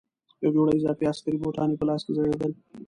یوه جوړه اضافي عسکري بوټان یې په لاس کې ځړېدل.